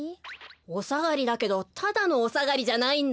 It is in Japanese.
おさがりだけどただのおさがりじゃないんだ。